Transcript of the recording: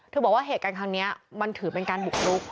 บอกว่าเหตุการณ์ครั้งนี้มันถือเป็นการบุกรุก